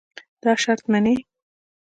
دا شرط منې.